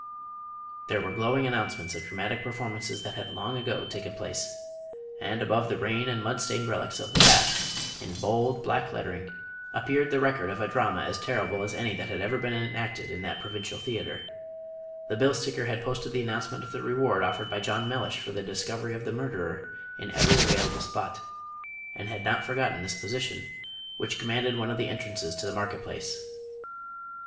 There were glowing announcements of dramatic performances that had long ago taken place; and, above the rain and mud stained relics of the past, in bold black lettering, appeared the record of a drama as terrible as any that had ever been enacted in that provincial theatre. The bill sticker had posted the announcement of the reward offered by John Mellish for the discovery of the murderer in every available spot, and had not forgotten this position, which commanded one of the entrances to the market place.